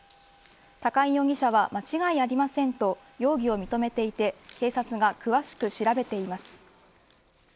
高井容疑者は間違いありませんと容疑を認めていて警察が詳しく調べています。